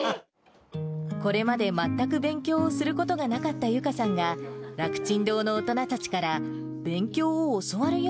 これまで全く勉強をすることがなかったユカさんが、楽ちん堂の大人たちから、勉強を教わるよ